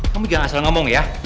kamu jangan asal ngomong ya